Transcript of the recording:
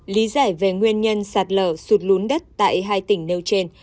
lý giải về nguyên nhân sạt lở sụt lún đất tại hai tỉnh nêu trên